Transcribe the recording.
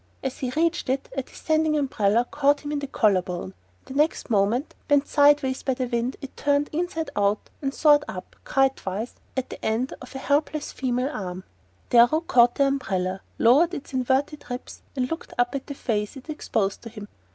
As he reached it, a descending umbrella caught him in the collar bone; and the next moment, bent sideways by the wind, it turned inside out and soared up, kite wise, at the end of a helpless female arm. Darrow caught the umbrella, lowered its inverted ribs, and looked up at the face it exposed to him.